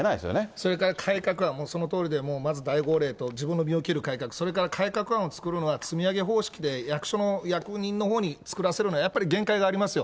それから改革はそのとおりで、まず大号令と自分の身を切る改革、それから改革案を作るのは積み上げ方式で役所の役人のほうに作らせるのは、やっぱり限界がありますよ。